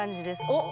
おっ！